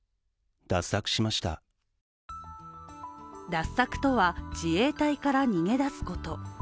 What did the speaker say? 脱柵とは自衛隊から逃げ出すこと。